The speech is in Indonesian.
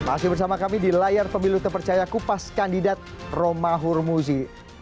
masih bersama kami di layar pemilu terpercaya kupas kandidat roma hurmuzi